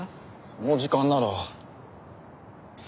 その時間なら。